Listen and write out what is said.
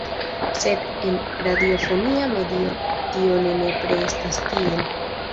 Sed en radiofonia medio tio ne nepre estas tiel.